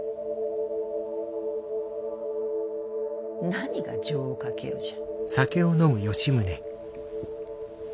何が情をかけよじゃ。